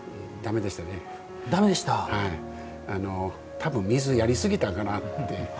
多分水をやり過ぎたかなって。